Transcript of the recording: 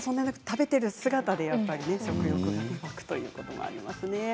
食べている姿でやっぱりね食欲が湧くということですね。